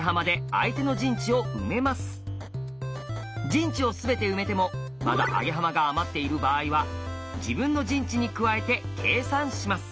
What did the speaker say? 陣地を全て埋めてもまだアゲハマが余っている場合は自分の陣地に加えて計算します。